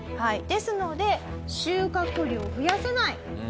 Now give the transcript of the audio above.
ですので収穫量を増やせない。